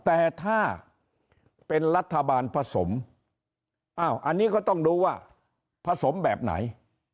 แต่ถ้าเป็นรัฐบาลผสมอันนี้ก็ต้องดูว่าผสมแบบไหน